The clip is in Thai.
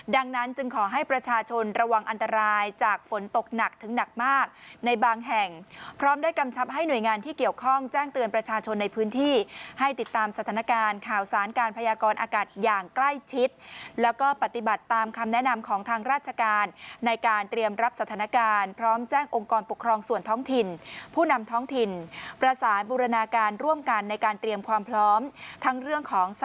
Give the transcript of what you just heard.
ดังนั้นจึงขอให้ประชาชนระวังอันตรายจากฝนตกหนักถึงหนักมากในบางแห่งพร้อมได้กำชับให้หน่วยงานที่เกี่ยวข้องแจ้งเตือนประชาชนในพื้นที่ให้ติดตามสถานการณ์ข่าวสารการพยากรอากาศอย่างใกล้ชิดแล้วก็ปฏิบัติตามคำแนะนำของทางราชการในการเตรียมรับสถานการณ์พร้อมแจ้งองค์กรปกครองส